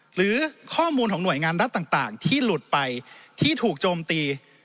หรือข้อมูลของหน่วยงานรัฐต่างที่หลุดไปที่ถูกโจมตี